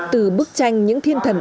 từ bức tranh những thiên thần